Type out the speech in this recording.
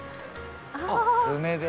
爪で。